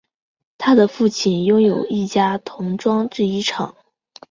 他的父亲拥有一家童装制衣厂。